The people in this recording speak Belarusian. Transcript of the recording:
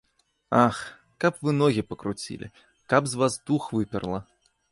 Ах, каб вы ногі пакруцілі, каб з вас дух выперла.